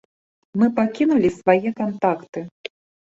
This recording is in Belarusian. Мы пакінулі свае кантакты.